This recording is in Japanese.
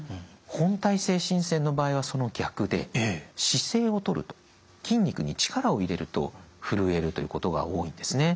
本態性振戦の場合はその逆で姿勢をとると筋肉に力を入れるとふるえるということが多いんですね。